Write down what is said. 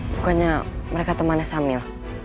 bukannya mereka temannya samil